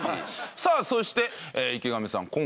さあそして池上さん